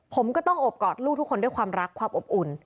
ผมก็ต้องโอบกอดลูกทุกคนด้วยความรักความอบอุ่น